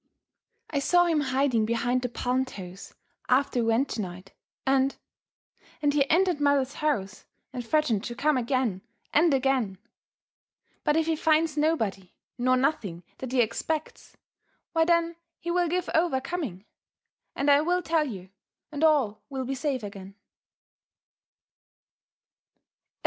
I saw him biding behind the palmetoes after you went to night, and < and he entered mother's house, and threatened to come again, and again ;<— but if he finds nobody, nor nothing that he expects, why then he will give over coming, and I will tell you, and all will be safe again."